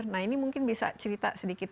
nah ini mungkin bisa cerita sedikit